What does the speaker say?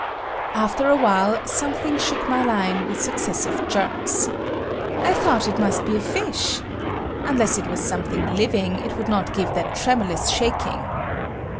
After a while something shook my line with successive jerks. I thought it must be a fish. Unless it was something living, it would not give that tremulous shaking.